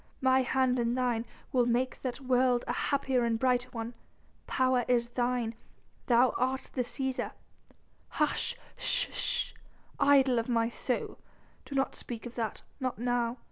My hand in thine, we'll make that world a happier and brighter one. Power is thine ... thou art the Cæsar...." "Hush sh sh, idol of my soul! Do not speak of that ... not now